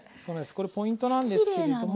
これポイントなんですけれども。